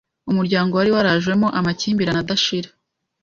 Umuryango wari warajemo amakimbirane adashira